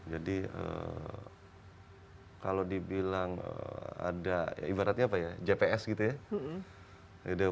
jadi kalau dibilang ada ibaratnya apa ya jps gitu ya